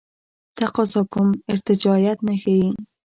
تقاضا کوم ارتجاعیت نه ښیي.